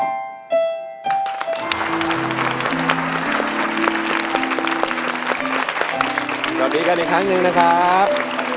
สวัสดีกันอีกครั้งหนึ่งนะครับ